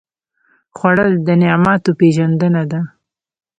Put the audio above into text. خوړل د نعماتو پېژندنه ده